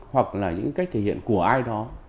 hoặc là những cách thể hiện của ai đó